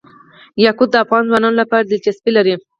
یاقوت د افغان ځوانانو لپاره دلچسپي لري.